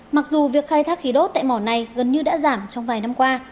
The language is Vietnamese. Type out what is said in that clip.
mặc dù việc khai thác khí đốt tại mỏ này gần như đã giảm trong vài năm qua